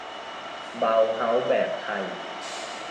เบาเฮาส์แบบไทย